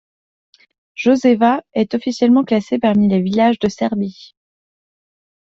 Joševa est officiellement classée parmi les villages de Serbie.